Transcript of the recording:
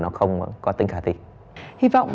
nó không có tính khả thi hy vọng